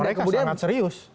mereka sangat serius